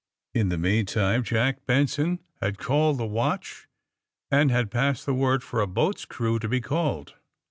In the meantime Jack Benson had called the watch and had passed the word for a boat's crew to be called.